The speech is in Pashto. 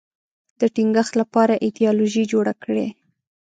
د ټینګښت لپاره ایدیالوژي جوړه کړي